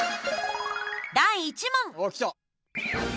第１問。